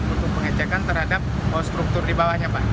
untuk pengecekan terhadap struktur di bawahnya pak